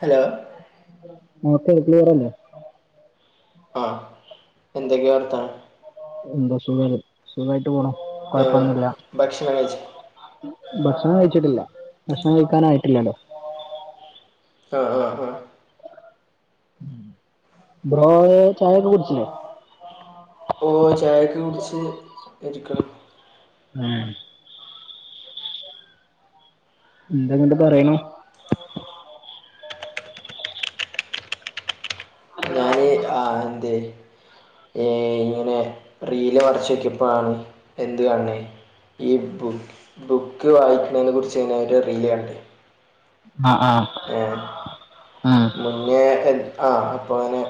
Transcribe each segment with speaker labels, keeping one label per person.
Speaker 1: Hello..
Speaker 2: മൊക്കെ ഏജ്ലവലല്ലേ..
Speaker 1: ആ എന്തെക്കെ. വർതാനം..
Speaker 2: എന്തോ സുഖല്ലേ സുഖായിട്ട് പോണു
Speaker 1: ഏഹ്
Speaker 2: കൊഴപ്പൊന്നുല്ല..
Speaker 1: ഭക്ഷണം കഴിച്ചോ
Speaker 2: ഭക്ഷണം കഴിച്ചിട്ടില്ല ഭക്ഷണം കഴികാനായിട്ടില്ലല്ലോ.
Speaker 1: ആഹ ആഹ ആഹ..
Speaker 2: ബ്രോയെ. ചായക്കെ കുടിച്ചിലെ..
Speaker 1: ഓ ഒ ചായക്കെഉടിച്ച് ഇരിക്ണ്..
Speaker 2: മേഹ്.. എന്താന്നണ്ട് പറയണു..
Speaker 1: ഹ്, ആ. എന്തേ.. ഏ ഇങ്ങനെ റീല വർച്ചൊക്ക ഇപ്പോാണ് എന്ത് കാണണേ ഈ ബു ബുക്ക് വായിക്കുന്നതിനെ കുറിച്ച് നെരു റില്ല ണ്ടേ
Speaker 2: ആഹ് ആഹ് ആഹ്
Speaker 1: മുന്നേ എ ആഹ് അപ്പോങ്ങനെ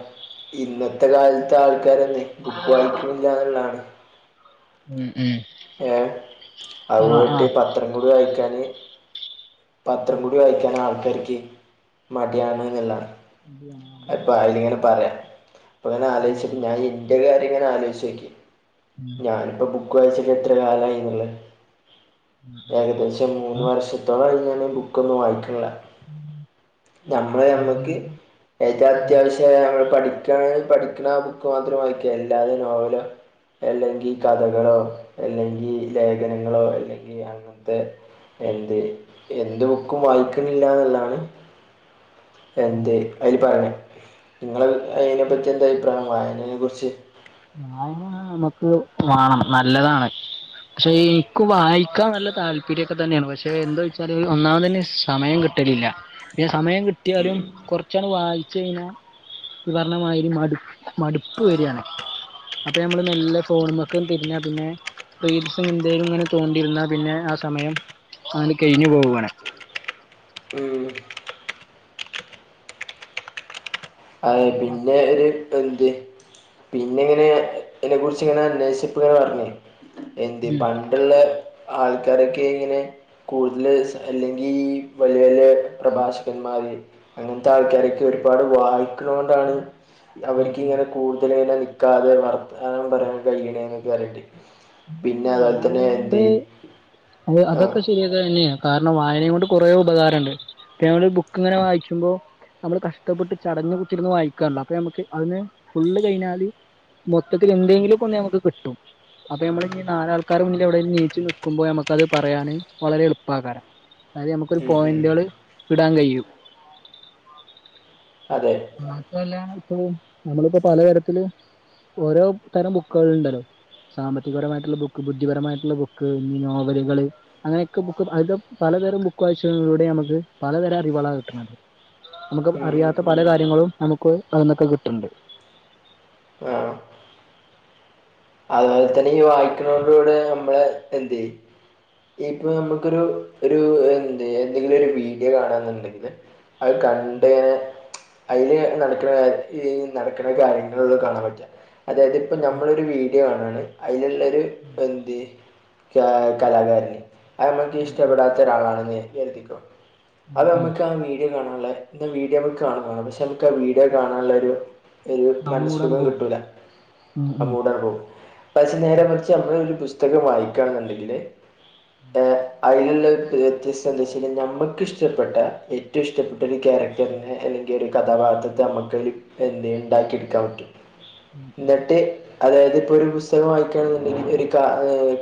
Speaker 1: ഇന്നത്തെ കാലത്താൾക്കാരന്നെ ബുക്ക് വായിക്കണില്ല എന്നുള്ളണ്
Speaker 2: ഉം ഉം
Speaker 1: ഏഹ് അത്
Speaker 2: ആ ആ
Speaker 1: പോയിട്ട് പത്രംകൂടി വായിക്കാന് പത്രംകൂടി വായിക്കാൻ ആൾക്കാർക്ക് മടിയാണ്ന്ള്ള
Speaker 2: [unintelligible]
Speaker 1: അത് വായിലിങ്ങനെ പറയ അപ്പങ്ങനെ
Speaker 2: ഉം,
Speaker 1: ആലോച്ചിട്ട് ഞൻ ഇൻ്റെ കാര്യംങ്ങനെ ആലോയ്ച്ചോക്കി
Speaker 2: ഉം.
Speaker 1: ഞാനിപ്പോ ബുക്ക് വായിച്ചിട്ടെത്ര കാലായി നിള്ള
Speaker 2: ആ,
Speaker 1: ഏകദേശം
Speaker 2: അപ്പൊ
Speaker 1: മൂന്ന് വർഷത്തോളയി ഞാന് ബുക്കൊന്നും വായ്ക്ക്ല്ല ഞമ്മളെ ഞമ്മക്ക്
Speaker 2: വായന-
Speaker 1: ഏറ്റ
Speaker 2: ഉം.
Speaker 1: അത്യാവശ്യയ പഠിക്ക പഠിക്കണ ബുക്ക് മാത്രം വായിക്ക എല്ലാതെ നോവലോ എല്ലെങ്കികഥകളോ അല്ലെങ്കി ലേഖനങ്ങളോ എല്ലെങ്കി അങ്ങനത്തെ എന്തെ എന്ത് ബുക്കും വായിക്കണില്ല ന്ന്ള്ളാണ് എന്തെ അയ്ല് പറഞ്ഞൊ ഇങ്ങൾ അയിനെപ്പറ്റി എന്ത അഭിപ്രായം മയനെക്കുറിച്ച്
Speaker 2: ഞാന് ആ നമ്മക്ക് വാണം നല്ലതാണ് പക്ഷെ എനിക്ക് വായിക്കാൻ നല്ല താല്പര്യ ഒക്കെ തന്നെയാണ് പക്ഷെ എന്താ വെച്ചാല് ഒന്നാമതന് സമയം കി ട്ടില്ല പിന്നെ സമയം ട്ടിയാലും കൊറച്ചാണ്ട് വായിച്ചഴിഞ്ഞാ നി പറഞ്ഞണമായിരി മടു മടുപ്പ് വരിയാണ് ആപ്പ ഞമ്മള് മെല്ലെ ഫോൺമക്ക് തിരിഞ്ഞ പിന്നെ റിൽസ്സ് എന്തേലും ഇങ്ങനെ തോണ്ടിയിരുന്നാ പിന്നെ ആ സമയം ആണ്കഴിഞ്ഞു പോവാണ്
Speaker 1: ഉം അഹ്
Speaker 2: ആ
Speaker 1: പിന്നെ ഒരു പ്പെന്തെ പിന്നെ ഇങ്ങനെ ഇതിനെ കുറിച്ച് ഇങ്ങനെ അന്വേഷിച്ചപ്പളാർഞ്ഞെ എന്തെ
Speaker 2: ഉം
Speaker 1: പണ്ടുള്ള ആൾക്കാരൊക്കെ ഇങ്ങനെ കൂടുതൽസ്‌ അല്ലെങ്കി ഈ വല്ല്യ വല്ല്യ പ്രഭാഷകന്മാര് അങ്ങനത്തെ ആൾക്കാരൊക്കെ ഒരുപാട് വായിക്കണ കൊണ്ടാണ്
Speaker 2: ഉം
Speaker 1: അവർക്ക്
Speaker 2: ഉം
Speaker 1: ഇങ്ങനെ കൂടുതല ഇങ്ങനെ ക്കാതെ വർത്താനം പറയാൻ കഴണേന്ക്കരട്ടി പിന്നെ അത് പോൽതന്നെ
Speaker 2: വായന കൊണ്ട്
Speaker 1: എഴുതി ആഹ്
Speaker 2: അതന്നെയാ കാരണം വായനകൊണ്ട് കുറേ ഉപകാരണ്ട് ഇപ്പ ഞമ്മൾ ബുക്ക് ഇങ്ങനെ വായിക്കുമ്പോ നമ്മള് കഷ്ടപ്പെട്ട് ചടഞ് കുത്തിരുന്ന് വായിക്കാല്ലോ അപ്പൊ ഞമ്മക്ക് അതിനെ ഫുള്ള് കയ്ഞ്ഞാല് മൊത്തത്തിലെന്തെങ്കിലും ഒന്ന് ഞമക്ക് കിട്ടും അപ്പൊ ഞമ്മളിന്നി നാലാൾക്കാരെ മുന്നിൽ എവിടെങ്കിലും എനിച്ച് നിക്കുമ്പോ ഞമ്മക്കത് പറയാന് വളരെ എളുപ്പകാരം അയല്നമുക്കൊരു
Speaker 1: ഉം ഉം
Speaker 2: പോയിന്റുകള് വിടാൻ കയ്യും
Speaker 1: അതെ
Speaker 2: മാത്രല്ല ഇപ്പൊ നമ്മളിപ്പോ പലതാരത്തിൽ ഓരോ തരം ബുക്കുകളുണ്ടല്ലോ സാമ്പത്തികപരമായിട്ടുള്ള ബുക്ക് ബുദ്ധിപരമായിട്ടുള്ള ബുക്ക് ഞ്ഞി നോവലുകള് അങ്ങനെഓക്കെ ബുക്ക് അത്യം പലതരം ബുക്ക് വായിചയിലൂടെ നമുക്ക് പലതരം അറിവുകളാണ കിട്ടണത് നമുക്ക്
Speaker 1: ഉം ഉം
Speaker 2: അറിയാത്ത
Speaker 1: ഉം
Speaker 2: പല കാര്യങ്ങളും നമുക്ക് അതിന്നൊക്കെ കിട്ടണ്ണ്ട്
Speaker 1: ആഹ് അതുപോലെ തന്നെ ഈ വായിക്കുണലുടെ നമ്മള്എന്തയ് ഏറ്റവു നമുക്കൊരു ഒരു എന്ത് എന്തെങ്കിലു ഒരു വീഡിയോ കാണ എന്നുണ്ടെങ്കില് അത് കണ്ടാങ്ങനെ അയ്ല് നടക്കണെ ഈ നടക്കണ കാര്യങ്ങളൊക്കെ കാണാൻ പറ്റുല അതായത് ഇപ്പ നമ്മളൊരു വീ ക്കാണ് അയിലുള്ളരു എന്റെ ക്യ കലാകാരന് അത് നമുക്ക് ഇഷ്ടപ്പെടാത്ത ഒരാളാണെന്ന് കരുതിക്കോ അത് നമ്മുക്ക് ആ വീഡിയോ കാണാഉള്ളെ ഇത് വീഡിയോ നമുക്ക് കാണുന്ന പക്ഷെ നമ്മുക്ക് ആ വീഡിയോ കാണാഉള്ള ഒരു ഒരു
Speaker 2: നമ്മൂടാണ്
Speaker 1: മനസ്സുഖം
Speaker 2: പോകും
Speaker 1: കിട്ടൂല.
Speaker 2: ഉം
Speaker 1: അ
Speaker 2: ഉം
Speaker 1: മൂടങ്ങട് പോവും പക്ഷേ നേരെ മറിച്ച് നമ്മൾ ഒരു പുസ്തകം വായിക്കാണ്‌ന്നുണ്ടെങ്കില് ഏ അതിലുള്ള ഒരു വ്യത്യസ്ത എന്തു വച്ചാൽ നമ്മക്കിഷ്ടപ്പെട്ട ഏറ്റവും ഇഷ്ടപ്പെട്ട ഒരു ക്യാരക്ടർ ടർനെ അല്ലെങ്കിൽ ഒരു കഥാപാത്രത്തെ അമ്മക്ക് എന്തയ്യും ണ്ടാക്കി എടുക്കാൻ പറ്റും ന്നട്ട് അതായത് ഇപ്പൊ ഒരു പുസ്തകം വായിക്കുകയാണെന്നുണ്ടെങ്കിൽ ഒരു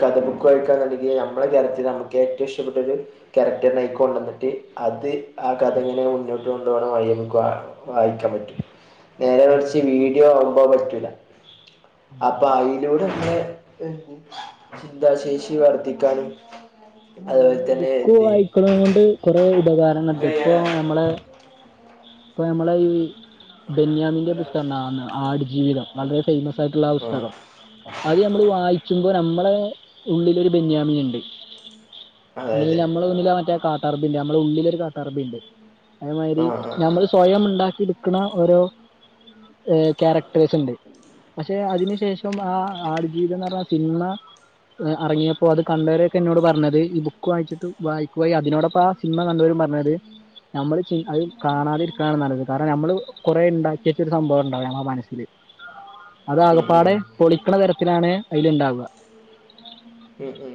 Speaker 1: കഥ ബുക്ക് വായിക്കുകയാ എന്നുണ്ടെങ്കിൽ നമ്മളെ കേരളത്തില് നമുക്ക് ഏറ്റവും ഇഷ്ടപ്പെട്ടത് ക്യാരക്ടറിനായിക്കൊണ്ടുവന്നിട്ട് അത് ആ കഥ ഇങ്ങനെ മുന്നോട്ട് കൊണ്ടുപോണ വഴി നോക്കാണ് വായിക്കാൻ പറ്റും. നേരെ മറിച്ച് വീഡിയോ ആവുമ്പോ അത് പറ്റൂല അപ്പ അയിലൂടെന്നെ ചിന്താശേഷി വർധിക്കാനും
Speaker 2: അ ഞമ്മൾ ബുക്ക് വായിക്കണനെ കൊണ്ട് കൊറെ ഉപകാരങ്ങൾണ്ട് ഇപ്പൊ ഞമ്മളെ പ്പൊ ഞമ്മളെ ഈ ബെന്യാമിന്റെ പുസ്തകംന്ന് ആടുജീവിതം വളരെ ഫൈമസായിട്ടുള്ള ആ പുസ്തകം അത് നമ്മള് വായിക്കുമ്പോ നമ്മുളെ ഉള്ളിലൊരു ബെന്യാമിനുണ്ട്
Speaker 1: അതെ
Speaker 2: അല്ലെങ്കിൽ
Speaker 1: അതെ
Speaker 2: നമ്മള് മുന്നില് ആ മറ്റേ കാട്ടാറബിണ്ട്, നമ്മുടെ ഉഉള്ളിലൊരു കാട്ടാറബിണ്ട് അതേമാതിരി
Speaker 1: ആ ആ ആ
Speaker 2: നമ്മൾ സ്വയം ഉണ്ടാക്കിട്ക്ക്ണ ഓരോ ക്യാരക്ടേഴ്സ്ണ്ട്, പക്ഷെ അതിനു ശേഷം ആ ആടുജീവിതംന്നർഞ്ഞാ സിൻമ അറങ്ങിയപ്പോ അത് കണ്ടവരൊക്കെ എന്നോട് പറഞ്ഞത്, ഈ ബുക്ക് വായിച്ചിട്ട് വായിക്കുകയും അതിനോടൊപ്പ സിൻമ കണ്ടോരും പർഞ്ഞത് നമ്മള് അത് കാണാതിരിക്കാണ് നല്ലത് കാരണം നമ്മള് കുറേ ഉണ്ടാക്കിവച്ച ഒരു സംഭവം ഉണ്ടാവും നമ്മുടെ മനസ്സില്
Speaker 1: ഉം
Speaker 2: അതാകപ്പാടെ
Speaker 1: ഉം
Speaker 2: പൊളിക്കണ തരത്തിലാണ് അയ്ല് ഉണ്ടാവുക
Speaker 1: ഉം ഉം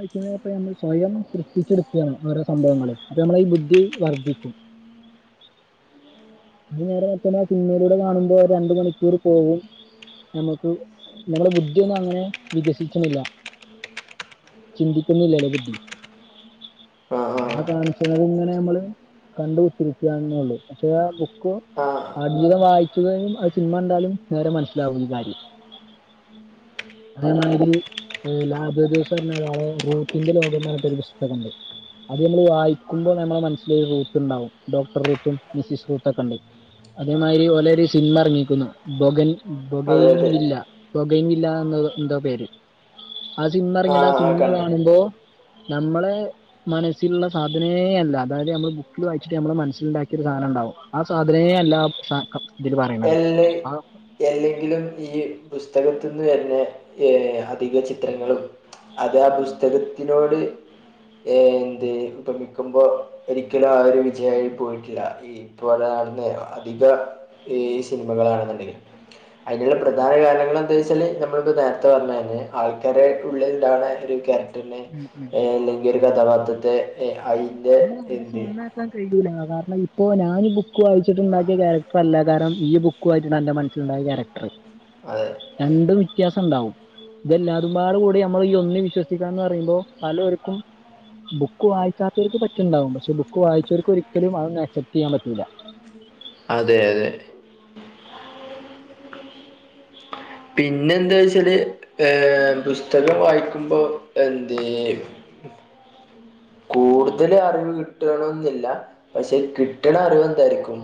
Speaker 2: അയ്ക്കൂടെ ഇപ്പനമ്മൾ സ്വയം സൃഷ്ടിച്ചെടുക്കയാണ് ഓരോ സംഭവങ്ങളും അപ്പ നമ്മൾ ഈ ബുദ്ധി വർദ്ധിക്കു കു അത് നേരെ മർച്ചമ്മള് സിൻമയിലൂടെ കാണുമ്പോ രണ്ടു മണിക്കൂർ പോവും ഞമ്മക്ക് ഞമ്മടെ ബുദ്ധിയൊന്നും അങ്ങനെ വികസിച്ച്ണ്‌ല്ല ചിന്തിക്കുന്നില്ലല്ല ബുദ്ധി ആ കാണിച്ചത് ല്ങ്ങനെ നമ്മള് കണ്ട് കുത്തിരിക്കയാനെന്നെള്ളു പക്ഷേ ആ ബുക്ക്
Speaker 1: ആ ആ
Speaker 2: ആട്ജീവിതം വായിക്കുകയും അ സിൻമണ്ടാലും നേരെ മനസ്സിലാവും ഈ കാര്യം അതേമാതിരി ലാബ് ദിവസം ഒരാളെ റൂത്തിന്റെ ലോകം എന്ന് പറഞ്ഞിട്ടൊരു പുസ്തകണ്ട് അത് നമ്മൾ വായിക്കുമ്പോൾ നമ്മുടെ മനസ്സിലൊരു റൂത്തുണ്ടാവും ഡോക്ടർ റൂത്തും മിസിസ് റൂത്തൊക്കെ ഉണ്ട് അതേമാതിരി ഓലൊരു സിൻമ എർങ്ങിക്കുന്നു. ബൊഗൻ
Speaker 1: ആ അതെ അതെ
Speaker 2: ബോഗൈൻവില്ല, ബോഗൈൻ വില്ല എന്നോ ന്തോ പേര് ആ സിൻമ
Speaker 1: ആ
Speaker 2: ഇറങ്ങിട്ടാ
Speaker 1: ആ
Speaker 2: സിൻമ
Speaker 1: കണ്ടിട്ടുണ്ട്
Speaker 2: കാണുമ്പോ നമ്മളെ മനസ്സിൽള്ള സാധനേ അല്ല, അതായത് നമ്മള് ബുക് ക്കില് വായിച്ചിട്ട് നമ്മള് മനസ്സിലുണ്ടാക്കിയ ഒരു സാനംണ്ടാവും. ആ സാധനേ അല്ല ആപ് അ അ
Speaker 1: എല്ല് എല്ലെങ്കിലും ഈ പുസ്തകത്തിന്ന് വരുന്ന ഏഹ് അധിക ചിത്രങ്ങളും അത് ആ പുസ്തകത്തിനോട് ഏ എന്ത് ഉപമിക്കുമ്പോ ഒരിക്കലും ആരും വിജയമായി പോയിട്ടില്ല ഈ ഇപ്പോ ഒരാളുടെ അധിക ഈ സിനിമകളാണെന്നുണ്ടെങ്കിൽ അതിനുള്ള പ്രധാന കാരണങ്ങൾ എന്ത് വെച്ചാൽ നമ്മളിപ്പോൾ നേരത്തെ പറഞ്ഞതന്നെ ആൾക്കാരു ഉള്ളിൽ ഉണ്ടാവണ ഒരു കാറ്റക് ന്നെ ഇല്ലക്കി ഒരു കഥാപാത്രത്തെ എ ആയി
Speaker 2: ഇപ്പ കയ്യൂലാ കാരണം ഇപ്പോ ഞാൻ ബുക്ക് വായിച്ചിട്ടുണ്ടാക്കിയ ക്യാരക്ടർ അല്ല കാരണം ഈ ബുക്ക് യിട്ട് എന്റെ മനസ്സിലുണ്ടായ ക്യാരക്ടർ
Speaker 1: അഹ്
Speaker 2: രണ്ടും വ്യത്യാസം ഉണ്ടാവും ഇതല്ലാതുംപാട് കൂടി നമ്മൾ ഈ ഒന്നും വിശ്വസിക്കാ എന്ന് പറയുമ്പോൾ പലർക്കും ബുക്ക് വായിക്കാത്തർക്ക് പറ്റുണ്ടാവും പക്ഷേ ബുക്ക് വായിച്ചർക്ക് ഒരിക്കലും അതന്നും ആക്സെപ്റ്റ് ചെയ്യാൻ പറ്റുല
Speaker 1: അതെ അതെ പിന്നെ എന്താ വെച്ചാല് ഏ പുസ്തകം വായിക്കുമ്പോ എന്ത് കൂടുതൽ അറിവ് കിട്ടണം ന്നില്ല പക്ഷെ കിട്ടണ അറിവ് എന്തായിരിക്കും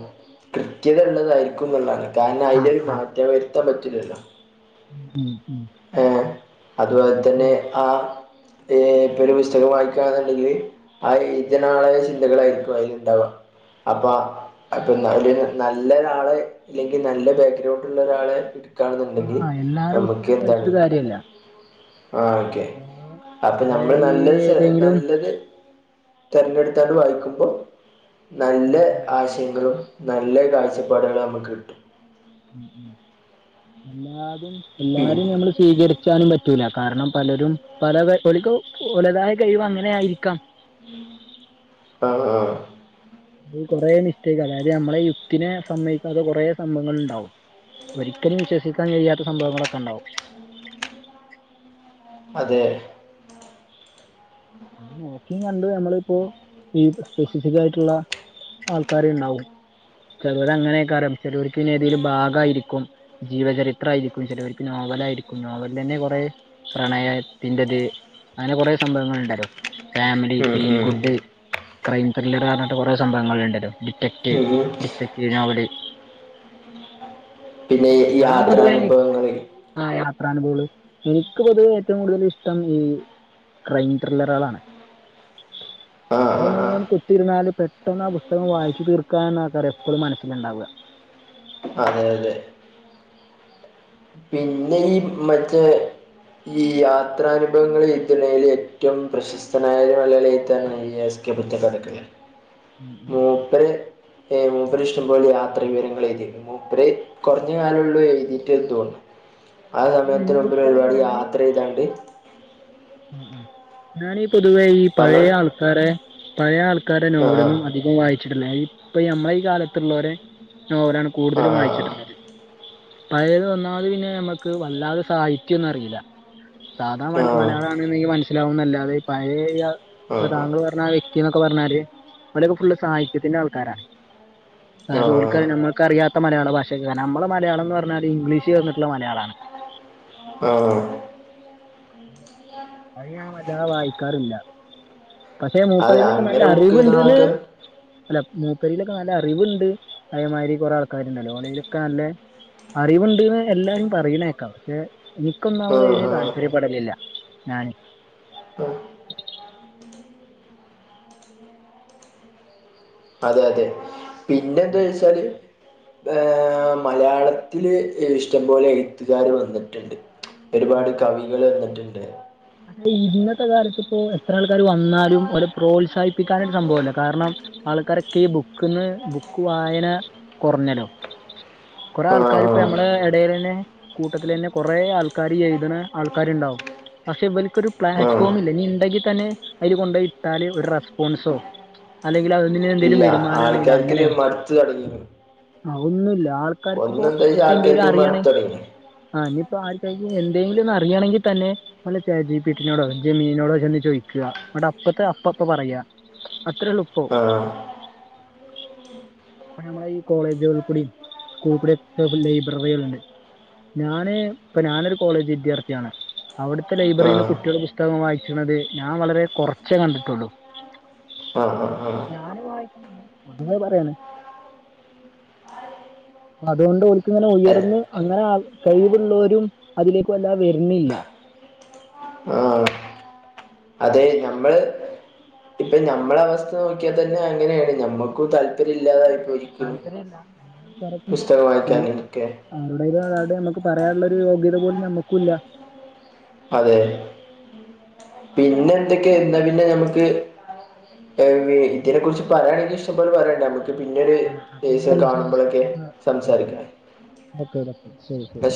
Speaker 1: കൃത്യത ഉള്ളതായിരിക്കും ന്നുള്ളതാണ് കാരണം അതിലൊരു മാറ്റം വരുത്താൻ പറ്റൂല്ലല്ലോ
Speaker 2: ഉം ഉം
Speaker 1: ഏ അത് അതെ
Speaker 2: ഉ
Speaker 1: ആ ഇപ്പയും പുസ്തകം വായിക്കുകയാെന്നുണ്ടെങ്കിൽ ആ എഴുതിന്നാളെ ചിന്തകളായിരിക്കും അയില് ണ്ടാവാ അപ്പ അപ്പൊ ന നല്ലരാളെ അല്ലെങ്കിൽ നല്ല ബാക്ക്ഗ്രൗണ്ട ഉള്ള ഒരാളെ കാണുന്നുണ്ടെങ്കിൽ നമ്മുക്ക്
Speaker 2: കഴിചിട്ട് കാര്യല്ല
Speaker 1: ആ ക്കെ അപ്പൊ
Speaker 2: കൊറേ
Speaker 1: നമ്മൾ
Speaker 2: ഈ
Speaker 1: നല്ല
Speaker 2: ഏതെങ്കിലും
Speaker 1: നല്ലരു തെരഞ്ഞെടുത്തണ്ട് വായിക്കുമ്പോ നല്ല
Speaker 2: ആ ആ
Speaker 1: ആശയം ത് നല്ല കാഴ്ചപ്പാടുകൾ നമുക്ക് കിട്ടും
Speaker 2: എല്ലാതും എല്ലാരും നമ്മൾ സ്വീകരിച്ചാനും പറ്റ റ്റൂല കാരണം പലരും പലക്ക ഓൽക്കും ഒലുതായ കഴിവ് അങ്ങനെ ആയിരിക്കാം
Speaker 1: ആഹ ആഹ്
Speaker 2: ഈ കുറെ മിസ്റ്റേക്ക് അതായത് നമ്മളെ യുത്തിനെ സമ്മയിക്കത്ത കുറെ സംഭവങ്ങൾ ഇണ്ടാവും ഒരിക്കലും വിശ്വസിക്കാൻ കഴിയാത്ത സംഭവങ്ങളൊക്കെണ്ടാവും
Speaker 1: അതെ ഉം
Speaker 2: നോക്കിയും കണ്ടും നമ്മളിപ്പോ ഈ സ്പെസിഫിക് ആയിട്ടുള്ള ആൾക്കാര് ഇണ്ടാവും ചെലെർ അങ്ങനെയൊക്കെരം ചെലെർക്ക്ഏതലും ഭാഗമായിരിക്കും ജീവചരിത്രയിരിക്കും ചെലെർക്ക് നോവൽ ആയിരിക്കും നോവൽ തന്നെ കെറെ പ്രണയത്തിതിൻറത് അങ്ങനെ കുറ സംഭവങ്ങൾ ഉണ്ടല്ലോ ഫാമിലി
Speaker 1: ഉം
Speaker 2: ഫീൽ
Speaker 1: ഉം
Speaker 2: ഗുഡ് ക്രൈം ത്രില്ലർ പറഞ്ഞിട്ട് കുറെ സംഭവങ്ങൾ ഇണ്ടാലോ ഡിറ്റക്റ്റ്
Speaker 1: ഉം ഉം
Speaker 2: ഡിറ്റക്ട് നോവൽ
Speaker 1: പിന്നെ
Speaker 2: ഞാൻ പൊതുവേനി
Speaker 1: യാത്രാനുഭവങ്ങള്
Speaker 2: ആ യാത്രാനുഭവൾ എനിക്ക് പൊതുവെ ഏറ്റവും കൂടുതൽ ഇഷ്ടം ഈ രെയ്ൻ ട്ടെ ട്രില്ലറളാണ്
Speaker 1: ആഹ് ആഹ്
Speaker 2: അതൊൻ
Speaker 1: ആഹ്
Speaker 2: കുത്തിരുന്നാല് പെട്ടന്ന് ആ പുസ്തകം വായിച്ചു തീർക്കാൻ ആക്കാര് എപ്പോഴും മനസ്സിലുണ്ടാവ
Speaker 1: അതെ അതെ പിന്നെ ഈ മറ്റേ ഈ യാത്രാനുഭവങ്ങളിൽ ഏത്ത് ഏറ്റവും പ്രശസ് വസ്നായ മലളാണ് ഈസ്ത്തടക്ക മൂപ്പര് ഏ മൂപ്പര് ഇഷ്ടംപോലെ യാത്ര വിവരങ്ങൾ എഴുതിന്നു മൂപ്പരേ കുറഞ്ഞ കാല ഉള്ളൂ എഴുതിയിട്ട് ത്തോനുന്നു ആ സമയത്തി മുമ്പിൽ ഒരുപാടി യാത്ര ചെയ്താണ്ട്
Speaker 2: ഉ ഞാനീ പൊതുവേ ഈ പഴയ
Speaker 1: പറഞ്ഞോളൂ
Speaker 2: ആൾക്കാരെ പഴയ ആൾക്കരെ
Speaker 1: ആ
Speaker 2: നോവലൊന്നും അതി ക്കം വായിച്ചിട്ടില്ല ഇപ്പൊ ഈ നമ്മളെ ഈ കാലത്തുള്ളരെ നോവലാണ്
Speaker 1: ആ
Speaker 2: കൂടുതലും വായിച്ചിട്ടുള്ളത് പഴയത് ഓന്നാമത് പിന്നെ നമുക്ക് വല്ലാതെ സാഹിത്യംന്നും അറിയില്ല സാധാ
Speaker 1: ആ
Speaker 2: മല മലയാളംണെങ്കിൽ മനസ്സിലാവുന്നല്ലതെ ഈ പഴയ
Speaker 1: ആ
Speaker 2: ഇപ്പൊ താങ്കൾ പറഞ്ഞ ആ വ്യക്തി ക്ത്തി ന്നൊക്കെ പറഞ്ഞാല് ഇവിടെയൊക്കെ ഫുള് സാഹയത്തിന്റെ ആൾക്കാരാ
Speaker 1: ആ
Speaker 2: അതായത്ഓല്ക്
Speaker 1: ആ
Speaker 2: ഞമ്മൾ ക്കറിയാത്ത മയാള ഭാഷയക്കെരം നമ്മളെ മലയാളംന്ന് പറഞ്ഞാല് ഇംഗ്ഷ് ചേർന്നിട്ടുള്ള മലയാളണ്
Speaker 1: ആഹ
Speaker 2: [inaudible]
Speaker 1: അതെ
Speaker 2: ലൊക്കെ നല്ല
Speaker 1: അങ്ങനെ ബുക്ക് ചെയ്തുന്ന
Speaker 2: അറിവ്ണ്ട്ന്ന്
Speaker 1: ആൾക്കാർ
Speaker 2: അല്ല മൂക്കരിയിലൊക്കെ നല്ല അറിവുണ്ട് അതേമാതിരി കുറെേ ആൾക്കാര്ണ്ടല്ലോ ഓലെയിലൊക്കെ നല്ല അറിവുണ്ട്ന്ന് എല്ലാവരും പറയണേക്കാ ക്ഷെ
Speaker 1: ആ
Speaker 2: ഇനിക്കൊന്നാമത് അതിന്
Speaker 1: ആ
Speaker 2: താല്പര്യപ്പെടലില്ല ഞാന്
Speaker 1: ആ അതെ അതെ പിന്നെന്താ വെച്ചാല് ഏഹ് മലയാളത്തില് ഇഷ്ടംപോലെ എഴുത്തുകാര് വന്നിട്ട്ണ്ട് ഒരുപാട് കവികൾ വന്നിട്ടുണ്ട്
Speaker 2: ക്ഷേ ഇന്നത്തെ കാലത്ത് ഇപ്പോ എത്ര ആൾക്കാര് വന്നാലും ഒലെ പ്രോത്സാഹിപ്പിക്കാനായിട്ട ഒരു സംഭവല്ല കാരണം ആൾക്കാരൊക്കെ ഈ ബുക്ക്ന്ന് ബുക്ക് വായന കൊറഞ്ഞല്ലോ കൊറെേ
Speaker 1: ആ
Speaker 2: ആൾക്കാർ ഇപ്പ നമ്മടെ എടേൽന്നെ കൂട്ടത്തിലെന്നെ കുറേ ആൾക്കാര് എയ്തിനെ ആൾക്കാരുണ്ടാവും പക്ഷെ ഇവർക്കൊരു
Speaker 1: ആ ആ
Speaker 2: പ്ലാറ്റ്ഫോം ഇല്ല ഇനി ഉണ്ടെങ്കി തന്നെ അതില് കൊണ്ടയി ഇട്ടാല് ഒരു റെസ്പോൺസോ അല്ലെങ്കിൽ അതിന് എന്തെങ്കിലും
Speaker 1: ഇല്ല
Speaker 2: വരുമാനാണെങ്കിൽ
Speaker 1: ആൾക്കാർക്ക
Speaker 2: അങ്ങനെ
Speaker 1: ഇത് മടുത്ത തുടങ്ങിണ്
Speaker 2: ആ ഹ് ഒന്നുല്ല ആൾക്കാർക്കിപ്പോ
Speaker 1: ഒന്നെന്താ വെച്ചാ
Speaker 2: എന്തെിലും
Speaker 1: ആൾക്കാർക്ക് ഇത് മടുത്തു
Speaker 2: അറിയണങ്കി
Speaker 1: തുടങ്ങി
Speaker 2: ആഹ് ഇനിയിപ്പോ ആക്കാർക്ക് എന്തെങ്കിലുംന്ന് അറിയയാണെങ്കി തന്നെ നല്ല ചേച്ചി പീട്ടിനോടോ ജമീനിനോടോ ചെന്ന് ചോയി ക്ക ന്നട്ട് അപ്പത്തെ അപ്പ അപ്പ പറയ അത്രള്ളൂ പ്പോ
Speaker 1: ആഹ്
Speaker 2: അപ്പ നമ്മളുടെ ഈ കോളേജുകളിൽ കൂട സ്കൂളിൽ കൂട ഒക്കെ ലൈബ്രറികൾ ഉണ്ട് ഞാന് ഇപ്പൊ ഞാനൊരു കോളേജ് വിദ്യാർത്ഥിയാണ് അവിടുത്തെ ലൈബ്രറിയിൽന്ന്
Speaker 1: ആഹ്
Speaker 2: കുട്ടികുടെ പുസ്തകം വായിച്ചണത് ഞാൻ വളരെ കുറച്ചേ കണ്ടിട്ടുള്ളു
Speaker 1: ആ
Speaker 2: ഞാന് വായിക്കിനില്ല പൊതുവായി പറയണ അപ്പ അതുകൊണ്ട്ഓല് ക്ക് ഇങ്ങനെ
Speaker 1: അതെ
Speaker 2: ഉയർന്ന് അങ്ങനെ കഴിവുള്ളോരും അതിലേക് അല്ലാതെ വരുന്നില്ല
Speaker 1: ആഹ് അത് നമ്മൾ നമ്മള അവസ്ഥ നോക്കിയാ തന്നെ അങ്ങനെയാണ് നമ്മുകും താല്പര്യല്ലാതായിപ്പോയി
Speaker 2: താല്പര്യല്ല
Speaker 1: പുസ്തകം വായിക്കാനൊക്കെ
Speaker 2: ആരോടൊലും ആറാതെ നമുക്ക് പറയാനുള്ളൊരു യോഗ്യത പോലും നമ്മക്കും ഇല്ല
Speaker 1: അതെ പിന്നെ എന്തൊക്കെയ എന്ന പിന്നെ നഞമുക്ക് ഇതിനെ കുറി പറയാണെങ്കി ഇഷം പോലെ പറയാനണ്ട നമുക്ക് പിന്നെരു സം
Speaker 2: പിന്നെ
Speaker 1: കാണുമ്പോഴൊക്കെ സംസാരിക്ക
Speaker 2: ഓക്കെ ഡക്ക ശരി ശരി